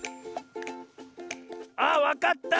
あっわかった！